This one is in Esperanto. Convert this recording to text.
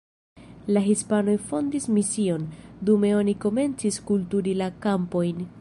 La hispanoj fondis mision, dume oni komencis kulturi la kampojn.